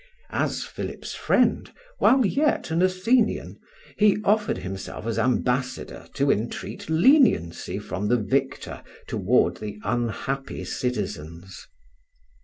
As Philip's friend, while yet an Athenian, he offered himself as ambassador to entreat leniency from the victor toward the unhappy citizens.